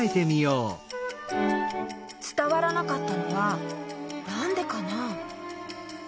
つたわらなかったのはなんでかな？